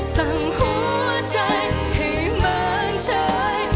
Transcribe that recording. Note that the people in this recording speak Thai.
สั่งหัวใจให้บ้านใจ